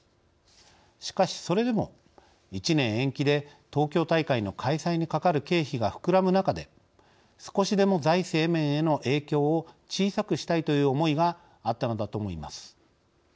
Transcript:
しかし、それでも１年延期で東京大会の開催にかかる経費が膨らむ中で少しでも財政面への影響を小さくしたいという思いがあったのだと思います。